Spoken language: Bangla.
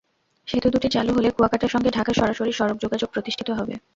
সেতু দুটি চালু হলে কুয়াকাটার সঙ্গে ঢাকার সরাসরি সড়ক যোগাযোগ প্রতিষ্ঠিত হবে।